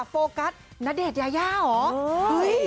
โฟกัสณเดชน์ยายาเหรอ